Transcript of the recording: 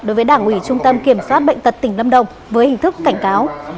đối với đảng ủy trung tâm kiểm soát bệnh tật tỉnh lâm đồng với hình thức cảnh cáo